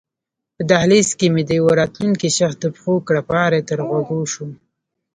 په دهلېز کې مې د یوه راتلونکي شخص د پښو کړپهاری تر غوږو شو.